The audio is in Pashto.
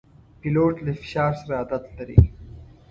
پیلوټ له فشار سره عادت لري.